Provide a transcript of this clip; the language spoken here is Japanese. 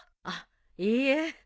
あっいいえ。